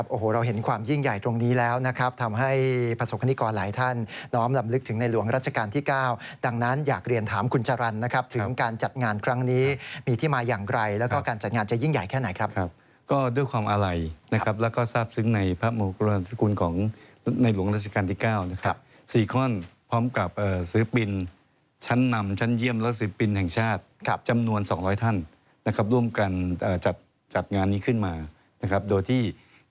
โอ้โหเราเห็นความยิ่งใหญ่ตรงนี้แล้วนะครับทำให้ประสบคณิกรหลายท่านน้อมลำลึกถึงในหลวงราชการที่๙ดังนั้นอยากเรียนถามคุณจารันนะครับถึงการจัดงานครั้งนี้มีที่มาอย่างไกลแล้วก็การจัดงานจะยิ่งใหญ่แค่ไหนครับก็ด้วยความอะไหลนะครับแล้วก็ทราบซึ้งในพระมกรรมสกุลของในหลวงราชการที่๙นะครับ๔คอน